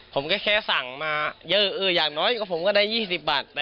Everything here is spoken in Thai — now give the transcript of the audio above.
ผมก็แค่สั่งมาเยอะอย่างน้อยก็ผมก็ได้๒๐บาท